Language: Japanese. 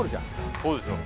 そうですよ。